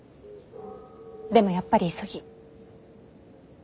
でもやっぱり急ぎ。